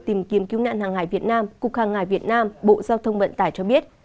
tìm kiếm cứu nạn hàng hải việt nam cục hàng hải việt nam bộ giao thông vận tải cho biết